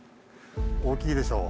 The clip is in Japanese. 大きいでしょ？